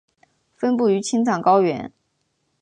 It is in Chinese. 分布于青藏高原。